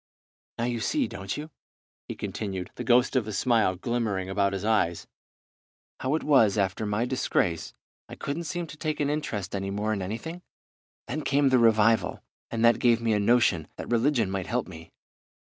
"Now you see, don't you," he continued, the ghost of a smile glimmering about his eyes, "how it was that after my disgrace I couldn't seem to take an interest any more in anything? Then came the revival, and that gave me a notion that religion might help me.